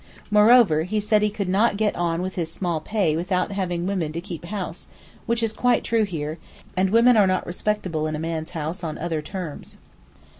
Moreover, he said he could not get on with his small pay without women to keep house, which is quite true here, and women are not respectable in a man's house on other terms.